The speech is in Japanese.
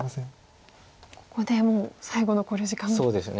ここでもう最後の考慮時間ですね。